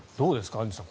アンジュさん。